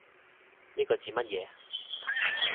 呢個指乜嘢